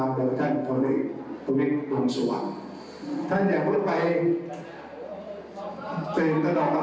ทั้งนี้ตั้งแต่ภาพนี้มันต้องไปแล้วต้องลองรอบโดยท่านหัวหน้าภักดิ์ประวังประวังประชาลรัฐ